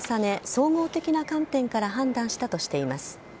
総合的な観点から判断したとしています。